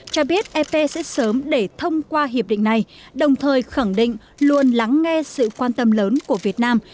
cho biết ep sẽ sớm để thông qua hiệp định này đồng thời khẳng định luôn lắng nghe sự quan tâm lớn của việt nam